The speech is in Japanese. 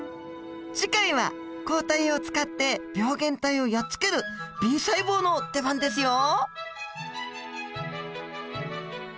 次回は抗体を使って病原体をやっつけるＢ細胞の出番ですよ。